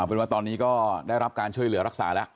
เป็นว่าตอนนี้ก็ได้รับการช่วยเหลือรักษาแล้ว